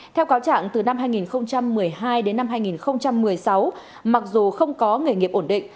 theo cáo trạng từ năm hai nghìn một mươi hai đến năm hai nghìn một mươi sáu mặc dù không có nghề nghiệp ổn định